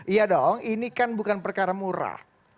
iya dong ini kan bukan perkara murah